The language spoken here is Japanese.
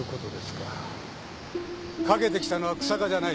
かけてきたのは日下じゃない。